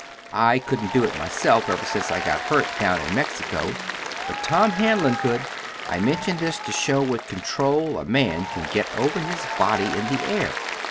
I couldn't do it myself ever since I got hurt down in Mexico, but Tom Hanlon could. I mention this to show what control a man can get over his body in the air.